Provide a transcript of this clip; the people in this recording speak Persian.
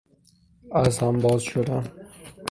از هم باز شدن